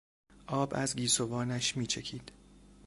آب از گیسوانش میچکید.